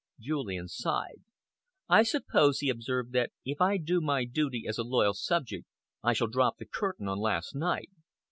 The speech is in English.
Julian sighed. "I suppose," he observed, "that if I do my duty as a loyal subject, I shall drop the curtain on last night.